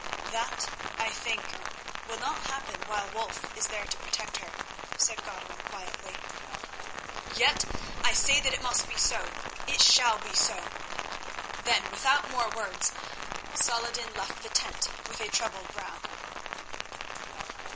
"That, I think, will not happen while Wulf is there to protect her," said Godwin quietly. "Yet I say that it must be so—it shall be so." Then, without more words, Saladin left the tent with a troubled brow.